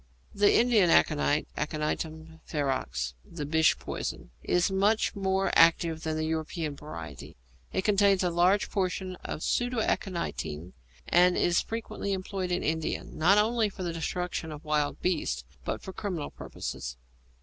The Indian aconite, Aconitum ferox, the Bish poison, is much more active than the European variety. It contains a large proportion of pseudaconitine, and is frequently employed in India, not only for the destruction of wild beasts, but for criminal purposes.